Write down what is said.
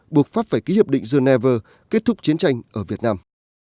buộc pháp phải ký hiệp định geneva kết thúc chiến tranh ở việt nam